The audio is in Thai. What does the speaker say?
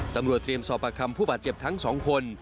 ตำรวจเตรียมสอบประคำผู้บาดเจ็บทั้งสองคน